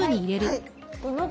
はい。